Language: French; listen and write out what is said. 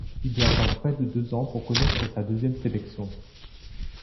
Il doit attendre près de deux ans pour connaître sa deuxième sélection.